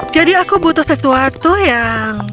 jadi aku butuh sesuatu yang